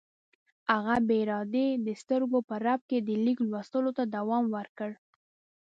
هغه بې ارادې د سترګو په رپ کې د لیک لوستلو ته دوام ورکړ.